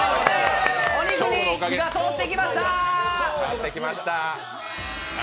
お肉に火が通ってきました！